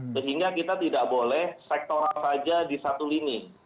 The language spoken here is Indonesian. sehingga kita tidak boleh sektoral saja di satu lini